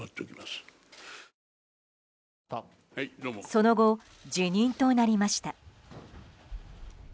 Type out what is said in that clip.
その後、辞任となりました。